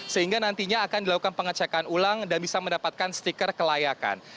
sehingga nantinya akan dilakukan pengecekan ulang dan bisa mendapatkan stiker kelayakan